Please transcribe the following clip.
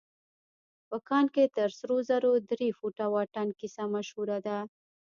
په کان کې تر سرو زرو د درې فوټه واټن کيسه مشهوره ده.